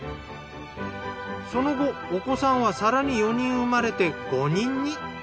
その後お子さんは更に４人生まれて５人に。